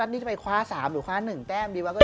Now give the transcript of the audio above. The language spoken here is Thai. นี่จะไปคว้า๓หรือคว้า๑แต้มดีวะ